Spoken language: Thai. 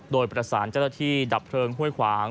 โดยประสานเจ้าหน้าที่ดับเพลิงห้วยขวาง